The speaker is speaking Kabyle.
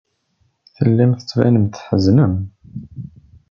Tellam tettbanem-d tḥeznem.